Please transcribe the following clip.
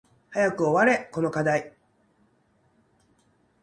早く終われこの課題